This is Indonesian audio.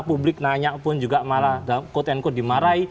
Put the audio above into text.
publik nanya pun juga malah dimarahi